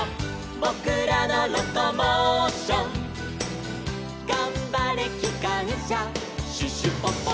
「ぼくらのロコモーション」「がんばれきかんしゃシュシュポポ」